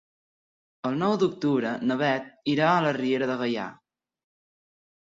El nou d'octubre na Beth irà a la Riera de Gaià.